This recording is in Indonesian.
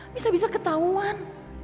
bisa bisa ketahuan